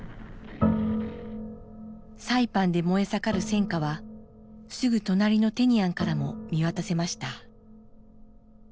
サイパンで燃えさかる戦火はすぐ隣のテニアンからも見渡せました。